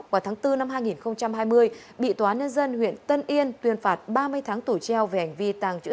vào tháng bốn năm hai nghìn hai mươi bị tòa nhân dân huyện tân yên tuyên phạt ba mươi tháng tổ treo về hành vi tàng trữ